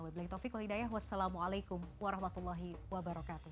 wa bilaik tohfiq wal hidayah wassalamualaikum warahmatullahi wabarakatuh